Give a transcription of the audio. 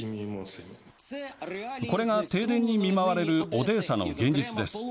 これが停電に見舞われるオデーサの現実です。